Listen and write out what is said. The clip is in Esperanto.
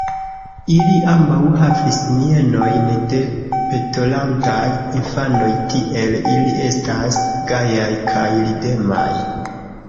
Ili ambaŭ havis mienojn de petolantaj infanoj, tiel ili estis gajaj kaj ridemaj.